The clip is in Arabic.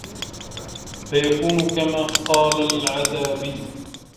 فَيَكُونُ كَمَا قَالَ الْعَتَّابِيُّ